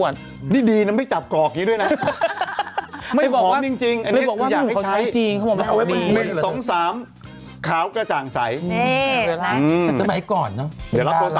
เดี๋ยวรับโทรศัพท์